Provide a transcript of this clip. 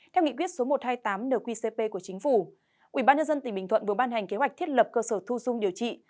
theo nghị quyết số một trăm hai mươi tám nqcp của chính phủ ubnd tỉnh bình thuận vừa ban hành kế hoạch thiết lập cơ sở thu dung điều trị